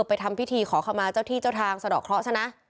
ทำพิธีขอขมาเจ้าที่เจ้าทางสะดอกเคราะห์ซะนะ